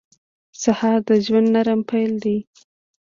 سهار د ژوند نرم پیل دی.